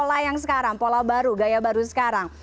pola yang sekarang pola baru gaya baru sekarang